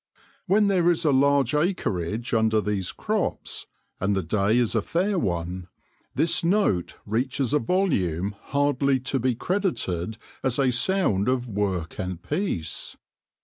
When there is a large acreage under these crops, and the day is a fair one, this note reaches a volume hardly to be credited as a sound of work and peace.